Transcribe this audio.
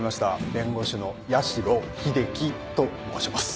弁護士の八代英輝と申します。